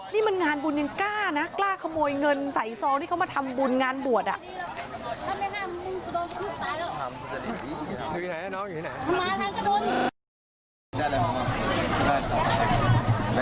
นี่มันงานบุญยังกล้านะกล้าขโมยเงินใส่ซองที่เขามาทำบุญงานบวชอ่ะ